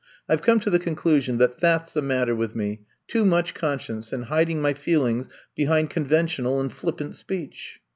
I 've come to the conclusion that that 's the matter with me — too much conscience, and hiding my feelings behind conventional and flip pant speech.''